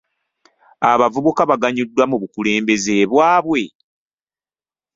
Abavubuka baganyuddwa mu bakulembeze baabwe?